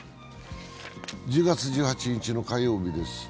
１０月１８日の火曜日です。